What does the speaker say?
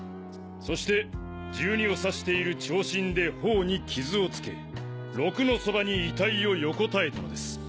そして「１２」を指している長針で頬に傷をつけ「６」のそばに遺体を横たえたのです。